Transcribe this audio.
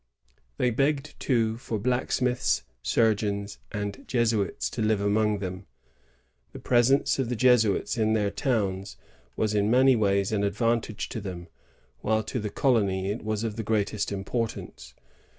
^ They begged, too, for Uacksmitiis, surgecms, and Jesuits to live among them. The presence of the Jesuits in their towns was in many ways an advan tage to them; while to the cokmy it was of the greatest importance.